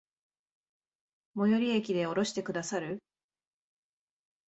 最寄駅で降ろしてくださる？